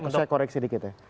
saya koreksi sedikit ya